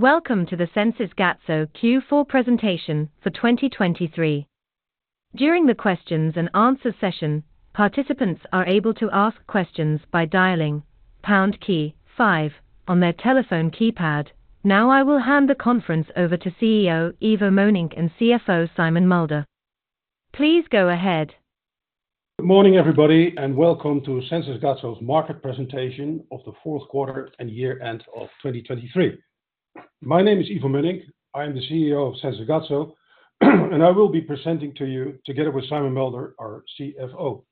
Welcome to the Sensys Gatso Q4 presentation for 2023. During the questions and answers session, participants are able to ask questions by dialing pound key 5 on their telephone keypad. Now I will hand the conference over to CEO Ivo Mönnink and CFO Simon Mulder. Please go ahead. Good morning, everybody, and welcome to Sensys Gatso's market presentation of the fourth quarter and year-end of 2023. My name is Ivo Mönnink. I am the CEO of Sensys Gatso, and I will be presenting to you together with Simon Mulder, our CFO.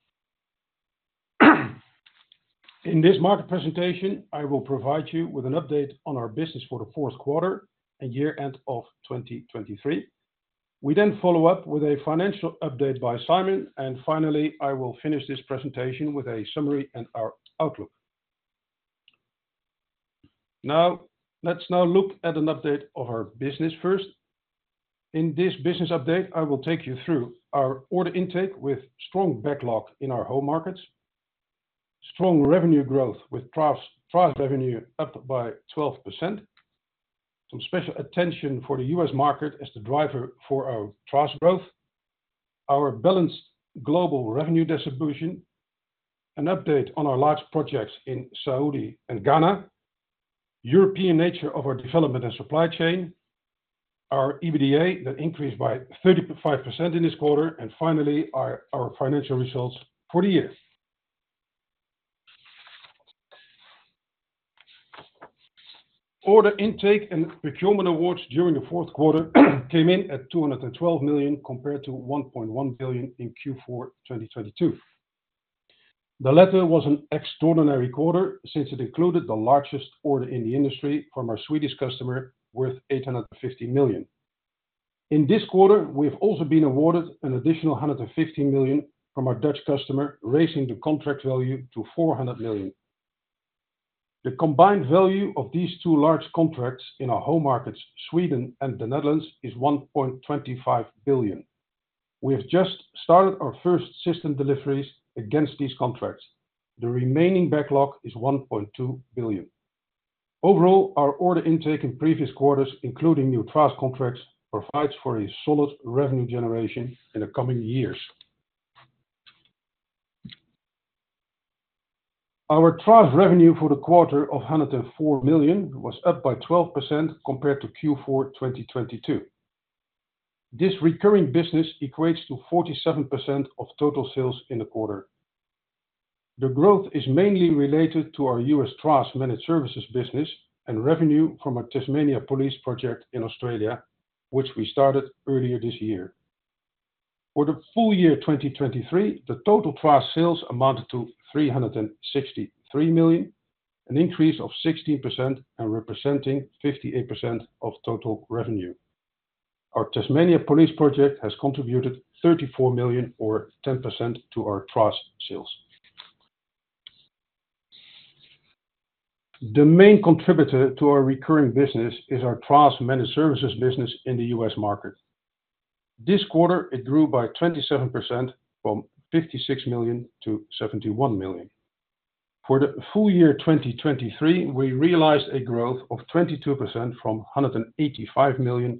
In this market presentation, I will provide you with an update on our business for the fourth quarter and year-end of 2023. We then follow up with a financial update by Simon, and finally I will finish this presentation with a summary and our outlook. Now let's look at an update of our business first. In this business update, I will take you through our order intake with strong backlog in our home markets. Strong revenue growth with TRaaS revenue up by 12%. Some special attention for the U.S. market as the driver for our TRaaS growth. Our balanced global revenue distribution. An update on our large projects in Saudi and Ghana. European nature of our development and supply chain. Our EBITDA that increased by 35% in this quarter and finally our financial results for the year. Order intake and procurement awards during the fourth quarter came in at 212 million compared to 1.1 billion in Q4 2022. The latter was an extraordinary quarter since it included the largest order in the industry from our Swedish customer worth 850 million. In this quarter we have also been awarded an additional 115 million from our Dutch customer raising the contract value to 400 million. The combined value of these two large contracts in our home markets Sweden and the Netherlands is 1.25 billion. We have just started our first system deliveries against these contracts. The remaining backlog is 1.2 billion. Overall our order intake in previous quarters including new TRaaS contracts provides for a solid revenue generation in the coming years. Our TRaaS revenue for the quarter of 104 million was up by 12% compared to Q4 2022. This recurring business equates to 47% of total sales in the quarter. The growth is mainly related to our U.S. TRaaS managed services business and revenue from our Tasmania Police project in Australia which we started earlier this year. For the full year 2023 the total TRaaS sales amounted to 363 million. An increase of 16% and representing 58% of total revenue. Our Tasmania Police project has contributed 34 million or 10% to our TRaaS sales. The main contributor to our recurring business is our TRaaS managed services business in the U.S. market. This quarter it grew by 27% from 56 million-71 million. For the full year 2023 we realized a growth of 22% from 185 million-226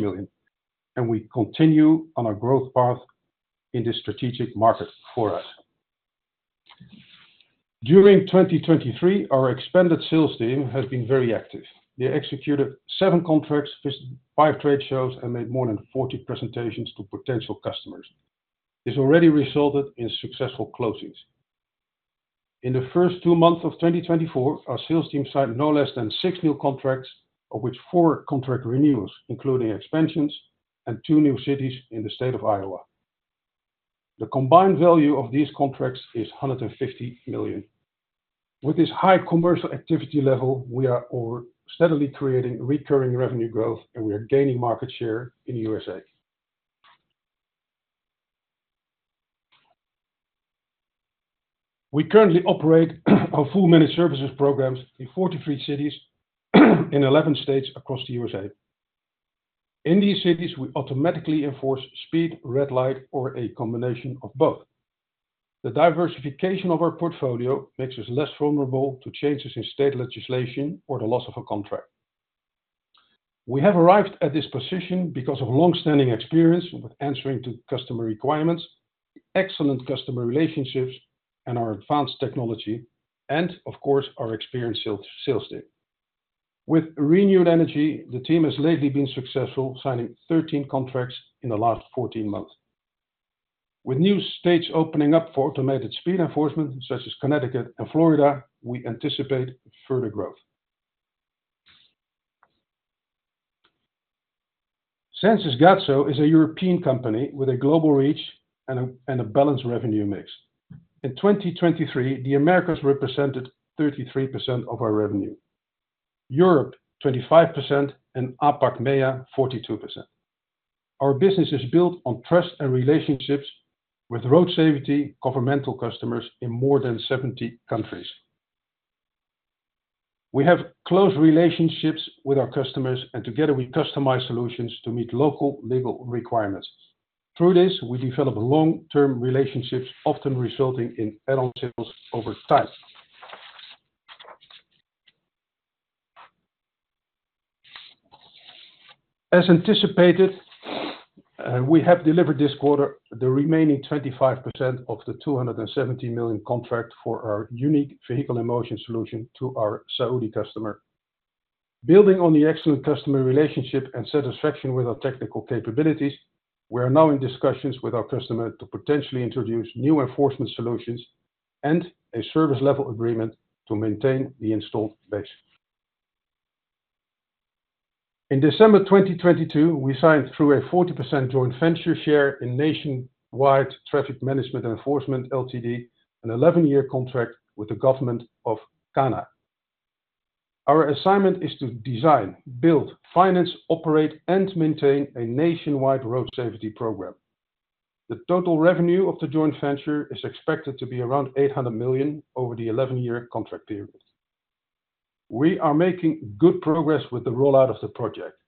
million. We continue on our growth path in this strategic market for us. During 2023 our expanded sales team has been very active. They executed seven contracts, five trade shows and made more than 40 presentations to potential customers. This already resulted in successful closings. In the first two months of 2024 our sales team signed no less than six new contracts of which four contract renewals including expansions and two new cities in the state of Iowa. The combined value of these contracts is 150 million. With this high commercial activity level we are steadily creating recurring revenue growth and we are gaining market share in the U.S.A. We currently operate our full managed services programs in 43 cities in 11 states across the U.S.A. In these cities, we automatically enforce speed, red light, or a combination of both. The diversification of our portfolio makes us less vulnerable to changes in state legislation or the loss of a contract. We have arrived at this position because of longstanding experience with answering to customer requirements. Excellent customer relationships and our advanced technology and of course our experienced sales team. With renewed energy, the team has lately been successful signing 13 contracts in the last 14 months. With new states opening up for automated speed enforcement such as Connecticut and Florida, we anticipate further growth. Sensys Gatso is a European company with a global reach and a and a balanced revenue mix. In 2023, the Americas represented 33% of our revenue. Europe 25% and APAC MEA 42%. Our business is built on trust and relationships with road safety governmental customers in more than 70 countries. We have close relationships with our customers and together we customize solutions to meet local legal requirements. Through this we develop long-term relationships often resulting in add-on sales over time. As anticipated, we have delivered this quarter the remaining 25% of the 270 million contract for our unique vehicle-in-motion solution to our Saudi customer. Building on the excellent customer relationship and satisfaction with our technical capabilities, we are now in discussions with our customer to potentially introduce new enforcement solutions and a service level agreement to maintain the installed base. In December 2022 we signed through a 40% joint venture share in Nationwide Traffic Management Enforcement Ltd. an 11-year contract with the government of Ghana. Our assignment is to design, build, finance, operate, and maintain a nationwide road safety program. The total revenue of the joint venture is expected to be around 800 million over the 11-year contract period. We are making good progress with the rollout of the project.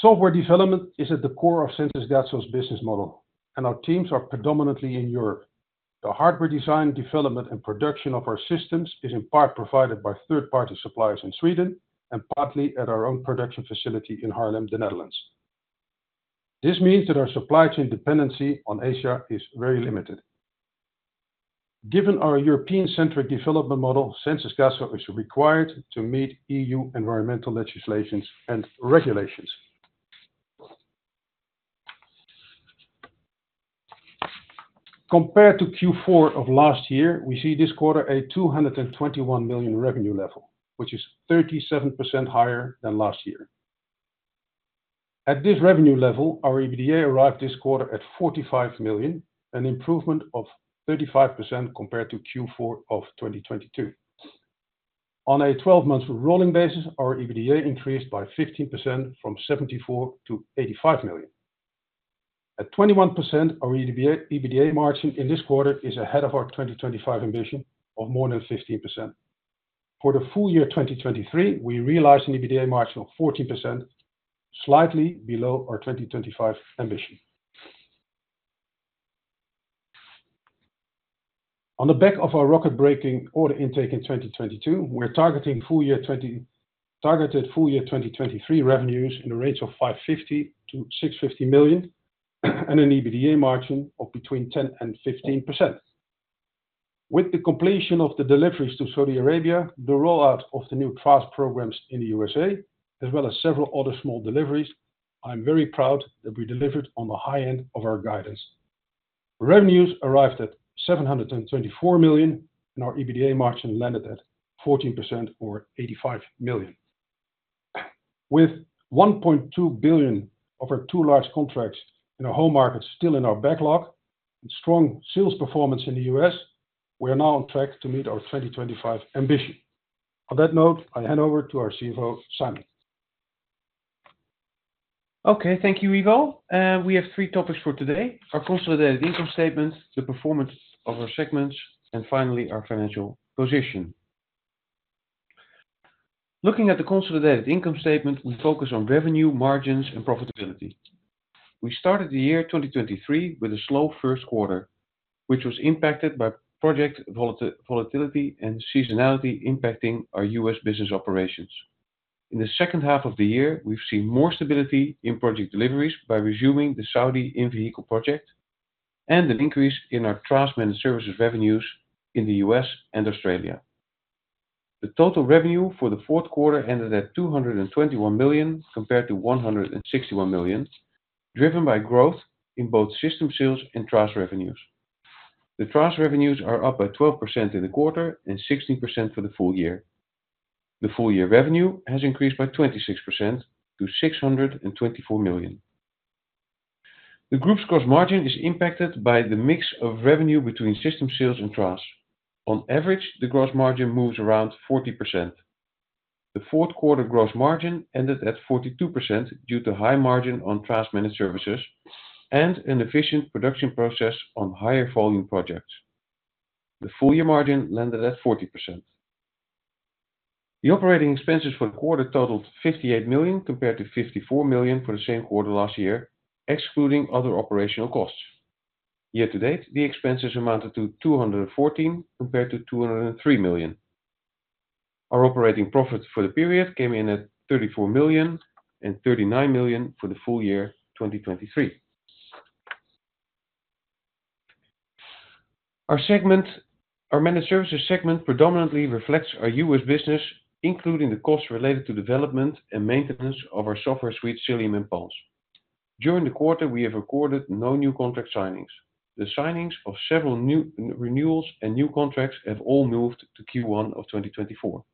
Software development is at the core of Sensys Gatso's business model and our teams are predominantly in Europe. The hardware design development and production of our systems is in part provided by third-party suppliers in Sweden and partly at our own production facility in Haarlem, the Netherlands. This means that our supply chain dependency on Asia is very limited. Given our European-centric development model Sensys Gatso is required to meet EU environmental legislations and regulations. Compared to Q4 of last year we see this quarter a 221 million revenue level which is 37% higher than last year. At this revenue level our EBITDA arrived this quarter at 45 million an improvement of 35% compared to Q4 of 2022. On a 12-month rolling basis our EBITDA increased by 15% 74 million-85 million. At 21% our EBITDA margin in this quarter is ahead of our 2025 ambition of more than 15%. For the full year 2023 we realized an EBITDA margin of 14% slightly below our 2025 ambition. On the back of our record-breaking order intake in 2022 we're targeting full year 2023 revenues in the range of 550-650 million and an EBITDA margin of between 10%-15%. With the completion of the deliveries to Saudi Arabia the rollout of the new TRaaS programs in the U.S.A. as well as several other small deliveries I'm very proud that we delivered on the high end of our guidance. Revenues arrived at 724 million and our EBITDA margin landed at 14% or 85 million. With 1.2 billion of our two large contracts in our home markets still in our backlog and strong sales performance in the U.S. we are now on track to meet our 2025 ambition. On that note I hand over to our CFO Simon. Okay, thank you Ivo. We have three topics for today: our consolidated income statement, the performance of our segments, and finally our financial position. Looking at the consolidated income statement, we focus on revenue, margins, and profitability. We started the year 2023 with a slow first quarter, which was impacted by project volatility and seasonality impacting our U.S. business operations. In the second half of the year, we've seen more stability in project deliveries by resuming the Saudi in-vehicle project. An increase in our TRaaS managed services revenues in the U.S. and Australia. The total revenue for the fourth quarter ended at 221 million compared to 161 million driven by growth in both system sales and TRaaS revenues. The TRaaS revenues are up by 12% in the quarter and 16% for the full year. The full year revenue has increased by 26%to 624 million. The group's gross margin is impacted by the mix of revenue between system sales and TRaaS. On average the gross margin moves around 40%. The fourth quarter gross margin ended at 42% due to high margin on TRaaS managed services and an efficient production process on higher volume projects. The full year margin landed at 40%. The operating expenses for the quarter totaled 58 million compared to 54 million for the same quarter last year excluding other operational costs. Year-to-date the expenses amounted to 214 million compared to 203 million. Our operating profit for the period came in at 34 million and 39 million for the full year 2023. Our segment our managed services segment predominantly reflects our U.S. business including the costs related to development and maintenance of our software suite Xilium, Flux. During the quarter we have recorded no new contract signings. The signings of several new renewals and new contracts have all moved to Q1 of 2024.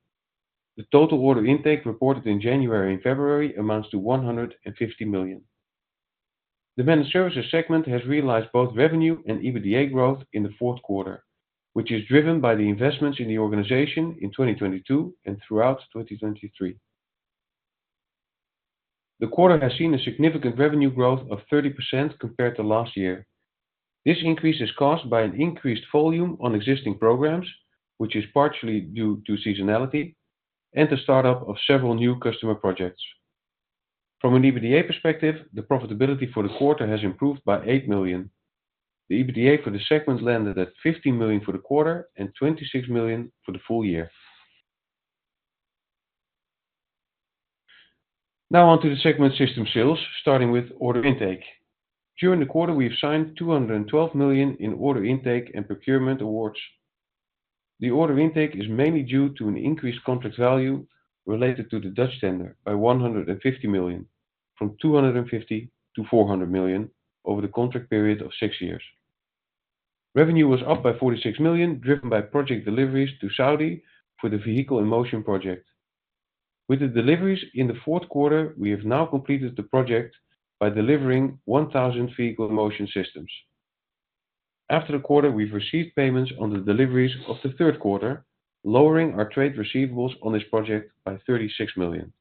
The total order intake reported in January and February amounts to 150 million. The managed services segment has realized both revenue and EBITDA growth in the fourth quarter which is driven by the investments in the organization in 2022 and throughout 2023. The quarter has seen a significant revenue growth of 30% compared to last year. This increase is caused by an increased volume on existing programs which is partially due to seasonality, and the startup of several new customer projects. From an EBITDA perspective the profitability for the quarter has improved by 8 million. The EBITDA for the segment landed at 15 million for the quarter and 26 million for the full year. Now onto the segment system sales starting with order intake. During the quarter we have signed 212 million in order intake and procurement awards. The order intake is mainly due to an increased contract value related to the Dutch tender by 150 million from 250 million-SEK 400 million over the contract period of six years. Revenue was up by 46 million driven by project deliveries to Saudi for the vehicle-in-motion project. With the deliveries in the fourth quarter we have now completed the project by delivering 1,000 vehicle-in-motion systems. After the quarter we've received payments on the deliveries of the third quarter lowering our trade receivables on this project by 36 million.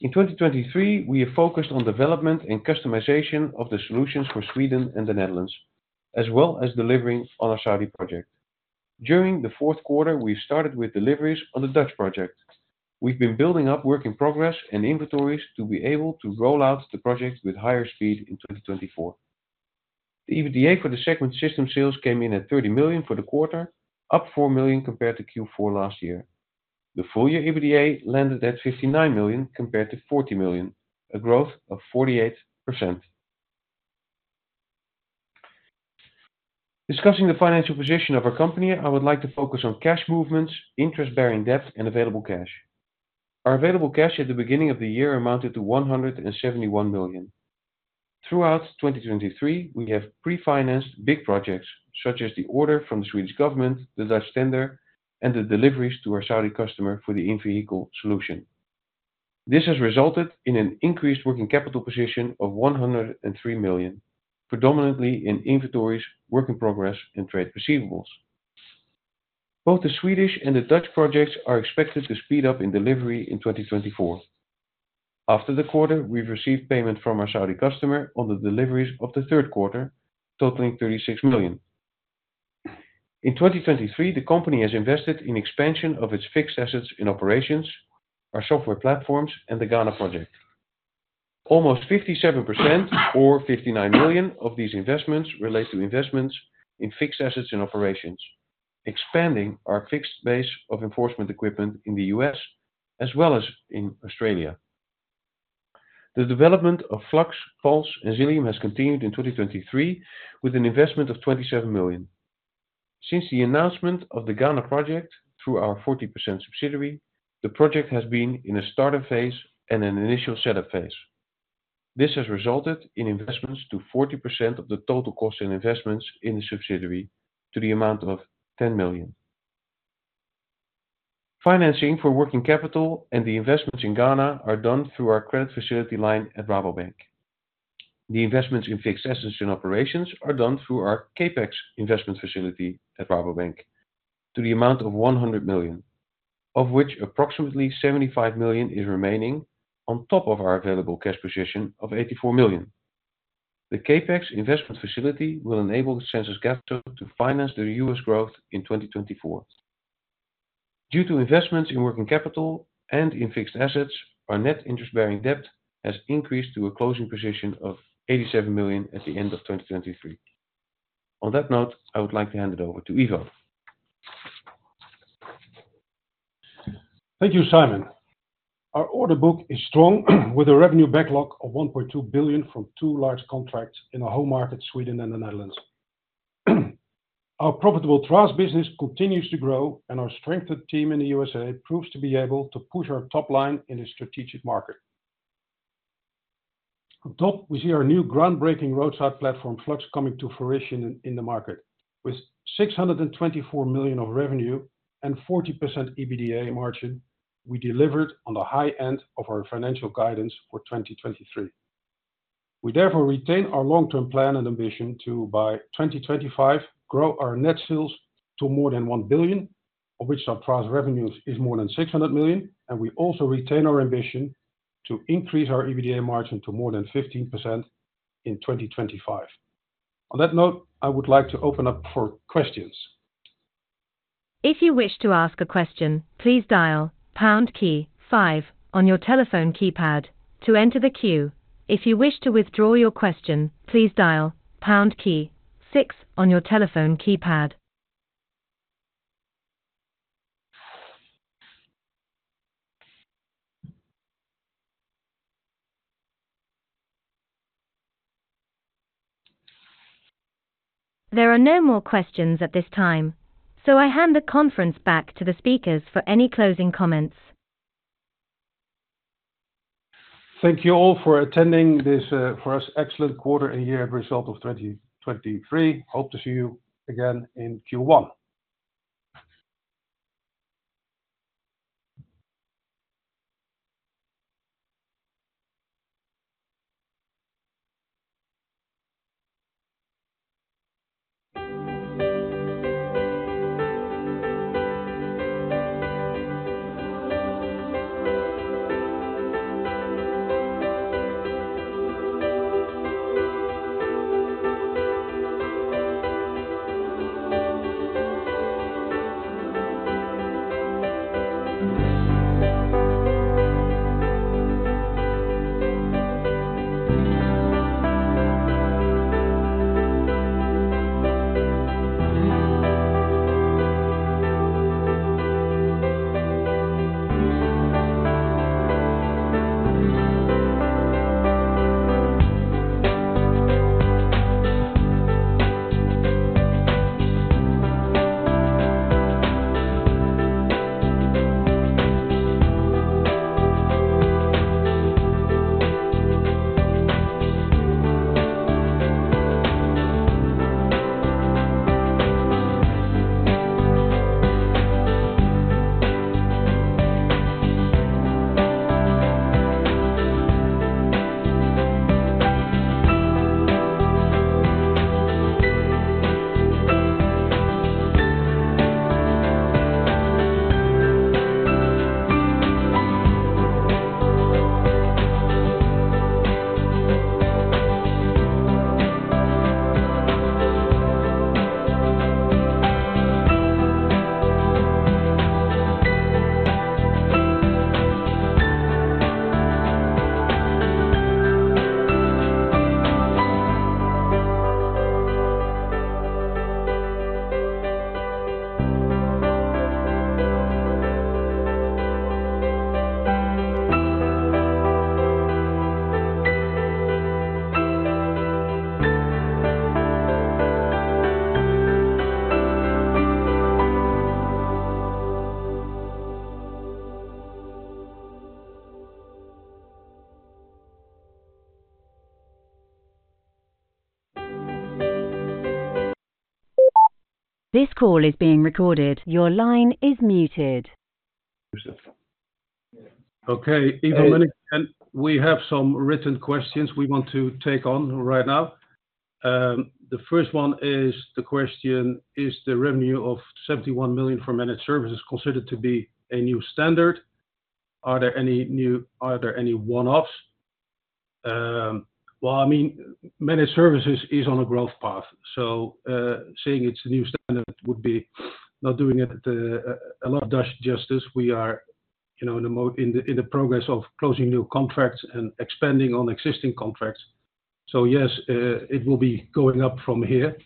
In 2023 we have focused on development and customization of the solutions for Sweden and the Netherlands as well as delivering on our Saudi project. During the fourth quarter we've started with deliveries on the Dutch project. We've been building up work in progress and inventories to be able to roll out the project with higher speed in 2024. The EBITDA for the segment system sales came in at 30 million for the quarter, up 4 million compared to Q4 last year. The full year EBITDA landed at 59 million compared to 40 million, a growth of 48%. Discussing the financial position of our company, I would like to focus on cash movements, interest-bearing debt, and available cash. Our available cash at the beginning of the year amounted to 171 million. Throughout 2023 we have pre-financed big projects such as the order from the Swedish government, the Dutch tender, and the deliveries to our Saudi customer for the in-vehicle solution. This has resulted in an increased working capital position of 103 million, predominantly in inventories, work in progress, and trade receivables. Both the Swedish and the Dutch projects are expected to speed up in delivery in 2024. After the quarter we've received payment from our Saudi customer on the deliveries of the third quarter totaling 36 million. In 2023 the company has invested in expansion of its fixed assets in operations our software platforms and the Ghana project. Almost 57% or 59 million of these investments relate to investments in fixed assets in operations expanding our fixed base of enforcement equipment in the U.S. as well as in Australia. The development of Flux, Puls and Xilium has continued in 2023 with an investment of 27 million. Since the announcement of the Ghana project through our 40% subsidiary the project has been in a startup phase and an initial setup phase. This has resulted in investments to 40% of the total costs and investments in the subsidiary to the amount of 10 million. Financing for working capital and the investments in Ghana are done through our credit facility line at Rabobank. The investments in fixed assets in operations are done through our Capex investment facility at Rabobank to the amount of 100 million. Of which approximately 75 million is remaining on top of our available cash position of 84 million. The Capex investment facility will enable Sensys Gatso to finance the U.S. growth in 2024. Due to investments in working capital and in fixed assets our net interest bearing debt has increased to a closing position of 87 million at the end of 2023. On that note I would like to hand it over to Ivo. Thank you Simon. Our order book is strong with a revenue backlog of 1.2 billion from two large contracts in our home market Sweden and the Netherlands. Our profitable trust business continues to grow and our strengthened team in the U.S.A. proves to be able to push our top line in this strategic market. On top we see our new groundbreaking roadside platform Flux coming to fruition in the market with 624 million of revenue and 40% EBITDA margin we delivered on the high end of our financial guidance for 2023. We therefore retain our long-term plan and ambition to by 2025 grow our net sales to more than 1 billion of which our trust revenues is more than 600 million and we also retain our ambition to increase our EBITDA margin to more than 15% in 2025. On that note I would like to open up for questions. If you wish to ask a question please dial pound key five on your telephone keypad to enter the queue. If you wish to withdraw your question please dial pound key 6 on your telephone keypad. There are no more questions at this time so I hand the conference back to the speakers for any closing comments. Thank you all for attending this, for us, excellent quarter and year result of 2023. Hope to see you again in Q1. This call is being recorded. Your line is muted. Joseph. Okay, Ivo Mönnink, we have some written questions we want to take on right now. The first one is, the question is, is the revenue of 71 million for managed services considered to be a new standard? Are there any new, are there any one-offs? Well, I mean, managed services is on a growth path, so saying it's a new standard would be not doing it a lot of Dutch justice. We are in the mode, in the, in the progress of closing new contracts and expanding on existing contracts. So yes, it will be going up from here.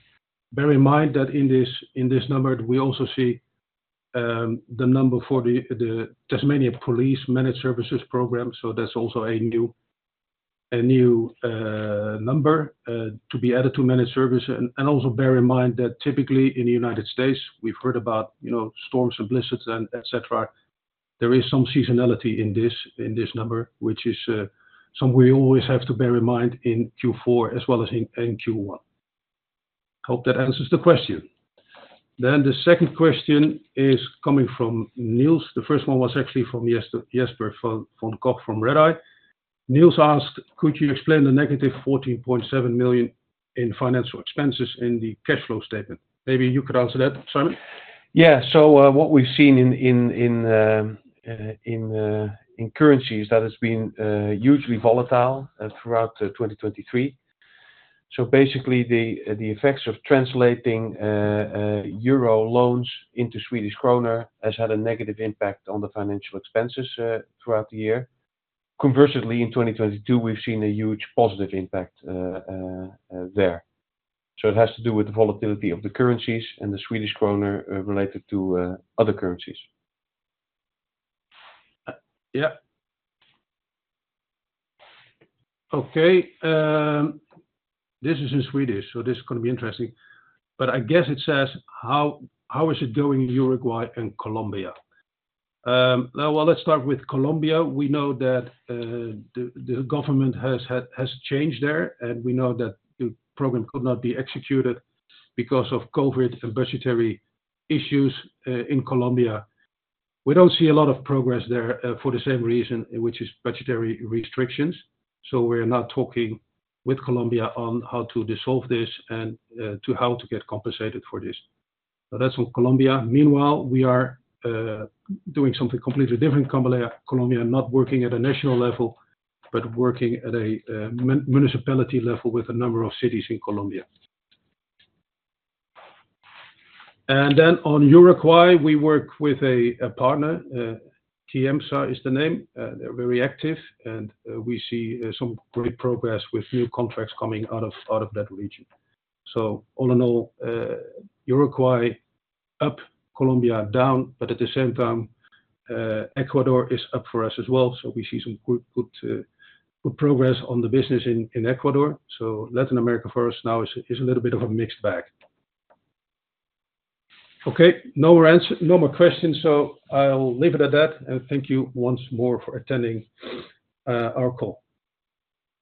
Bear in mind that in this, in this number we also see the number for the Tasmania Police managed services program, so that's also a new. A new number to be added to managed service and also bear in mind that typically in the United States we've heard about storms, blizzards and et cetera. There is some seasonality in this number which is something we always have to bear in mind in Q4 as well as in Q1. Hope that answers the question. The second question is coming from Niels. The first one was actually from yesterday Jesper von Koch from Redeye. Niels asked could you explain the negative 14.7 million in financial expenses in the cash flow statement. Maybe you could answer that Simon. Yeah, so what we've seen in currency is that it's been usually volatile throughout 2023. So basically the effects of translating euro loans into Swedish kronor has had a negative impact on the financial expenses throughout the year. Conversely in 2022 we've seen a huge positive impact there. So it has to do with the volatility of the currencies and the Swedish kronor related to other currencies. Yeah. Okay. This is in Swedish, so this is going to be interesting. But I guess it says how is it going in Uruguay and Colombia. Well, let's start with Colombia. We know that the government has changed there and we know that the program could not be executed because of COVID and budgetary issues in Colombia. We don't see a lot of progress there for the same reason which is budgetary restrictions. So we're not talking with Colombia on how to dissolve this and how to get compensated for this. That's on Colombia. Meanwhile we are doing something completely different. Colombia not working at a national level but working at a municipality level with a number of cities in Colombia. And then on Uruguay we work with a partner. Ciemsa is the name. They're very active and we see some great progress with new contracts coming out of that region. So all in all Uruguay up Colombia down but at the same time Ecuador is up for us as well. So we see some good progress on the business in Ecuador. So Latin America for us now is a little bit of a mixed bag. Okay no more answers no more questions so I'll leave it at that and thank you once more for attending our call.